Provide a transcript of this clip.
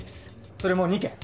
それも２件。